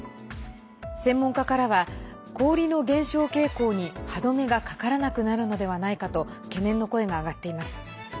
専門家からは、氷の減少傾向に歯止めがかからなくなるのではないかと懸念の声が上がっています。